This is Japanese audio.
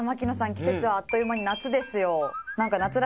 季節はあっという間に夏ですよ。